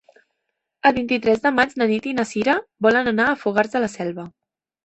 El vint-i-tres de maig na Nit i na Sira volen anar a Fogars de la Selva.